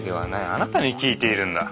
あなたに聞いているんだ。